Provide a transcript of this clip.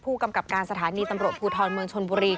ผู้กำกับการสถานีตำรวจภูทรเมืองชนบุรี